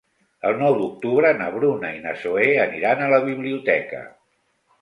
El nou d'octubre na Bruna i na Zoè aniran a la biblioteca.